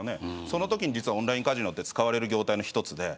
そのときにオンラインカジノは使われる業態の１つで。